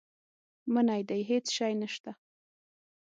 منی دی هېڅ شی نه شته.